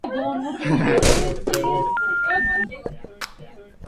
Al inicio de sus presentaciones se denominaron Germán Román y su Banda República.